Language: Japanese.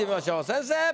先生！